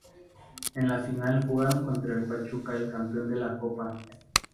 En la Final jugaron contra el Pachuca el campeón de la copa.